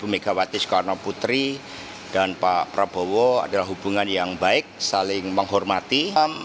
bu megawati soekarno putri dan pak prabowo adalah hubungan yang baik saling menghormati